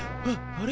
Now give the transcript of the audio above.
あれ？